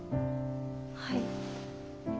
はい。